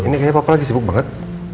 ini kayaknya papa lagi sibuk banget